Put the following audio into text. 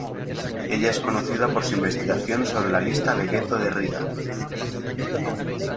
Ella es conocida por su investigación sobre la lista de Gueto de Riga.